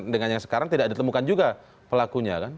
dengan yang sekarang tidak ditemukan juga pelakunya kan